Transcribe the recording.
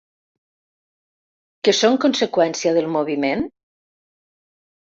Que són conseqüència del moviment?